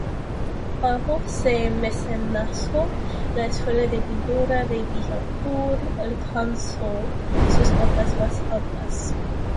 Bajo su mecenazgo, la escuela de pintura de Bijapur alcanzó sus cotas más altas.